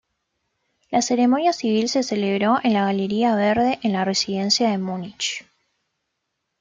La ceremonia civil se celebró en la Galería Verde en la Residencia de Múnich.